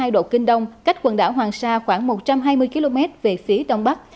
một trăm một mươi ba hai độ kinh đông cách quần đảo hoàng sa khoảng một trăm hai mươi km về phía đông bắc